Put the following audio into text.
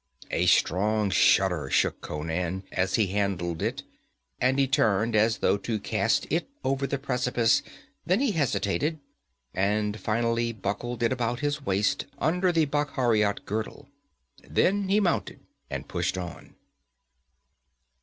A strong shudder shook Conan as he handled it, and he turned as though to cast it over the precipice; then he hesitated, and finally buckled it about his waist, under the Bakhariot girdle. Then he mounted and pushed on.